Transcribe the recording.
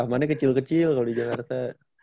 mana kecil kecil kalau di jakarta